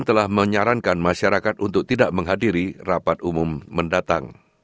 telah menyarankan masyarakat untuk tidak menghadiri rapat umum mendatang